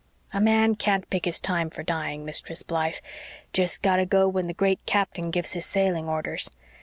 A man can't pick his time for dying, Mistress Blythe jest got to go when the Great Captain gives His sailing orders.